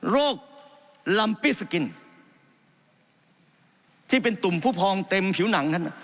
ลัมปิสกินที่เป็นตุ่มผู้พองเต็มผิวหนังท่าน